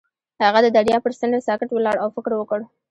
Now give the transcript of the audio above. هغه د دریاب پر څنډه ساکت ولاړ او فکر وکړ.